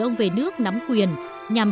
ông về nước nắm quyền nhằm